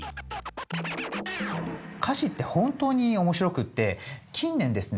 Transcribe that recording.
歌詞って本当に面白くて近年ですね